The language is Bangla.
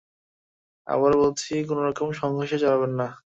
আবারো বলছি, কোনোরকম সংঘর্ষে জড়াবেন না।